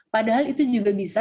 padahal itu juga bisa